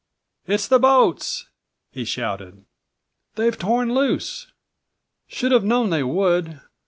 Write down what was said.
"It's the boats!" he shouted. "They've torn loose. Should have known they would.